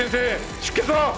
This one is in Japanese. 出血は？